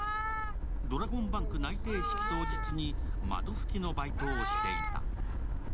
ドラゴンバンク内定式当日に窓拭きのバイトをしていた。